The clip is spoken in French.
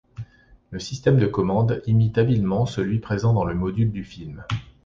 Le système de commande imite habilement celui présent dans le module du film.